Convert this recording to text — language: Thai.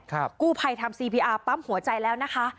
กู้ภัยทำซีพีอาร์ปั๊มหัวใจแล้วนะคะ